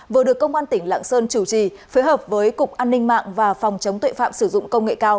vừa được công an tỉnh lạng sơn chủ trì phối hợp với cục an ninh mạng và phòng chống tuệ phạm sử dụng công nghệ cao